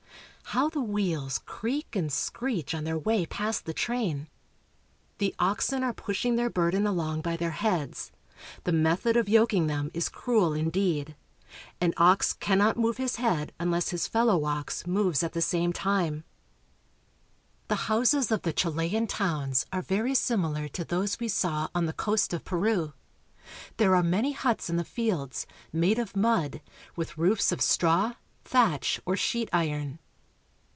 How the wheels creak and screech on their way past the train ! The oxen are push ing their burden along by their heads. The method of yoking them is cruel indeed. An ox cannot move his head unless his fellow ox moves at the same time. A Load of Grain. The houses of the Chilean towns are very similar to those we saw on the coast of Peru. There are many huts in the fields, made of mud, with roofs of straw, thatch, or sheet iron.